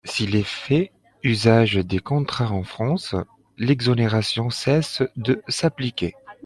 S'il est fait usage des contrats en France, l'exonération cesse de s'appliquer.